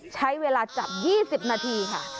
ใช้เวลาจับ๒๐นาทีค่ะ